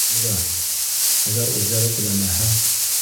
Мөнирә, әгәр үҙҙәре теләмәһә...